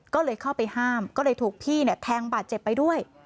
ก็เลยเข้าไปห้ามก็เลยถูกพี่เนี่ยแทงบาดเจ็บไปด้วย